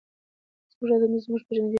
زموږ عادتونه زموږ پیژندګلوي جوړوي.